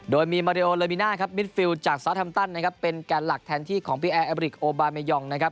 โดยมีมาริโอลัมิน่ามิสฟิลด์จากซาวทัมตันเป็นแก่หลักแทนที่ของพี่แอร์แอบริกโอบาเมยอง